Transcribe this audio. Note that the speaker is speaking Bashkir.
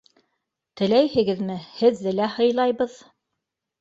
Теләйһегеҙме, һеҙҙе лә һыйлайбыҙ!